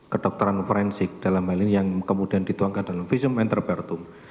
kedokteran forensik dalam hal ini yang kemudian dituangkan dalam visum entrepretum